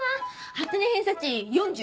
初音偏差値４０。